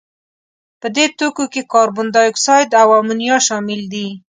په دې توکو کې کاربن دای اکساید او امونیا شامل دي.